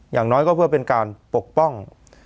อย่างน้อยก็เพื่อเป็นการปกป้อง